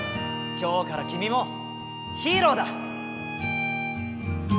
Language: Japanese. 今日からきみもヒーローだ！